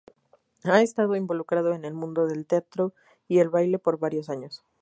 Ha estado involucrado en el mundo del teatro y el baile por varios años.